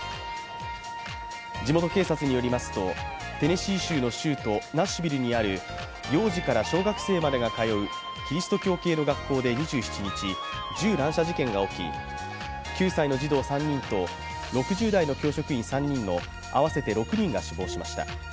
地元警察によりますと、テネシー州の首都ナッシュビルにある幼児から小学生までが通うキリスト教系の学校で２７日、銃乱射事件が起き、９歳の児童３人と６０代の教職員３人の併せて６人が死亡しました。